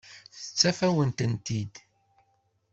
Yeṭṭef-awen-ten-id.